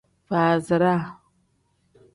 Faaziraa.